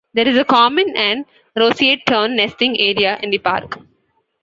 There is a common and roseate tern nesting area in the park.